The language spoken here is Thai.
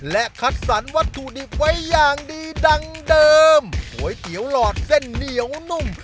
และคัดสรรวัตถุดิบไว้อย่างดีดังเดิมก๋วยเตี๋ยวหลอดเส้นเหนียวนุ่ม